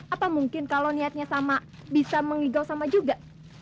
apa mungkin kalau niatnya sama bisa mengigau sama juga